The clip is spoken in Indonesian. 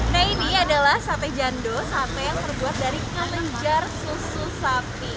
nah ini adalah sate jando sate yang terbuat dari kelenjar susu sapi